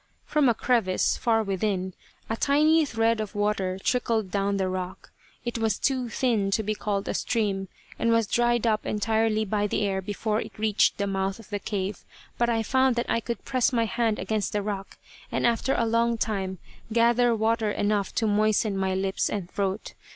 From a crevice, far within, a tiny thread of water trickled down the rock. It was too thin to be called a stream, and was dried up entirely by the air before it reached the mouth of the cave, but I found that I could press my hand against the rock and after a long time gather water enough to moisten my lips and throat.